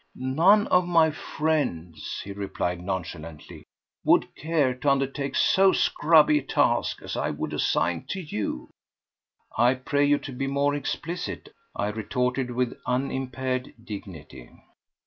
"None of my friends," he replied nonchalantly, "would care to undertake so scrubby a task as I would assign to you." "I pray you to be more explicit," I retorted with unimpaired dignity.